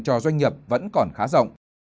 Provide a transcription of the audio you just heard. cho doanh nghiệp vẫn còn khá rộng